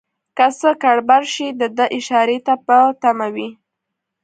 که څه ګړبړ شي دده اشارې ته په تمه وي.